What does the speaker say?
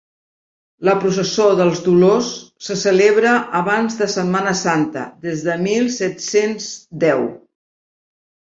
La Processó dels Dolors se celebra abans de Setmana Santa des de mil set-cents deu.